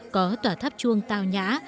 có tòa tháp chuông tao nhã